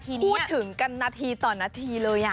คือพูดถึงกันนาทีต่อนนาทีเลยอ่ะ